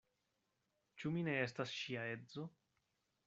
Ĉu mi ne estas ŝia edzo?